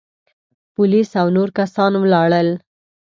پوليس او نور کسان ولاړل.